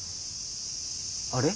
あれ？